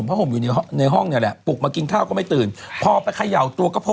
อุำแรงห่งอยู่ในห้องนี่แหละปุกมากินข้าวก็ไม่ตื่นพอไปเขย่าดูก็พบว่า